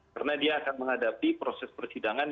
karena dia akan menghadapi proses persidangan